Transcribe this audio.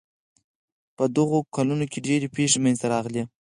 په دغو کلونو کې ډېرې پېښې منځته راغلې.